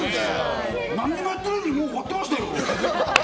何にもやってないのにもう終わってましたよ！